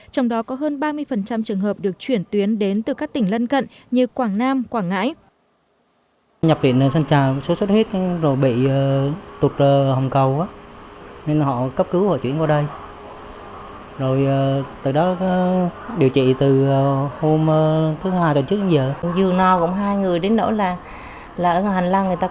trong đó có hơn ba mươi trường hợp được chuyển tuyến đến từ các tỉnh lân cận như quảng nam quảng ngãi